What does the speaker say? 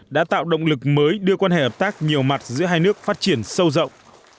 đã tạo động lực mới đưa quan hệ hợp tác nhiều mặt giữa hai nước phát triển sâu rộng